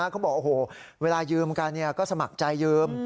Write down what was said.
เขาบอกโอ้โหเวลายืมกันก็สมัครใจยืม